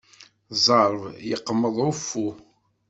Ẓẓerb yeqmeḍ uffu.